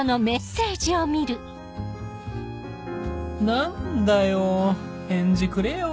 何だよ返事くれよ